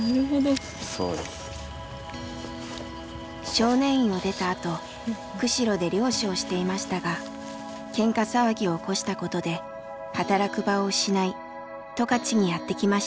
少年院を出たあと釧路で漁師をしていましたがケンカ騒ぎを起こしたことで働く場を失い十勝にやって来ました。